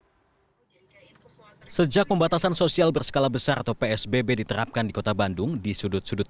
hai sejak pembatasan sosial berskala besar atau psbb diterapkan di kota bandung di sudut sudut